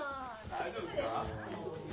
大丈夫ですか？